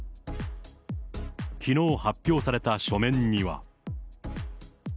きのう発表された書面には。